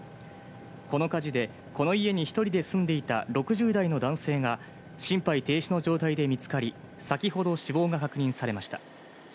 この火事で家に１人で住んでいた６０代の男性が心肺停止の状態で見つかり、先ほど死亡が確認されました。